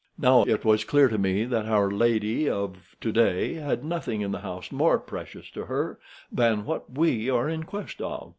Now it was clear to me that our lady of to day had nothing in the house more precious to her than what we are in quest of.